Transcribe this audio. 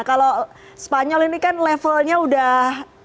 kalau spanyol ini kan levelnya udah